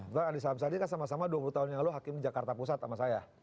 bukan adi saham saham ini kan sama sama dua puluh tahun yang lalu hakim jakarta pusat sama saya